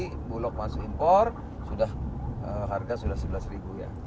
kita mulai bulog masuk impor sudah harga sudah rp sebelas ya